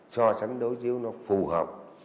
so sánh đối chiếu nó phù hợp